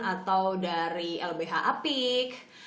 atau dari lbh apik